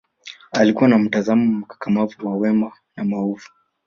alikua na mtazamo mkakamavu wa mema na maovu